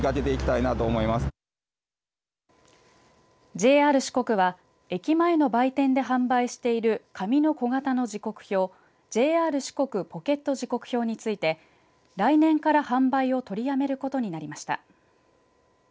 ＪＲ四国は駅前の売店で販売している紙の小型の時刻表ＪＲ四国ポケット時刻表について来年から販売を取りやめることになりました。